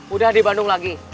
udah di bandung lagi